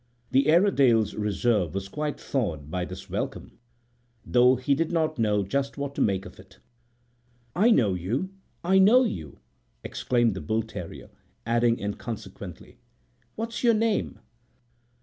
The Airedale's reserve was quite thawed by this welcome, though he did not know just what to make of it. "I know you! I know you!" exclaimed the bull terrier, adding inconsequently, "What's your name?"